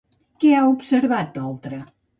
Què ha asseverat Oltra?